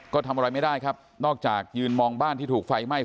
ก็ทำอะไรไม่ได้ครับนอกจากยืนมองบ้านที่ถูกไฟไหม้